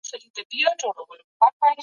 سرمایه داري نظام د غریبانو حق خوري.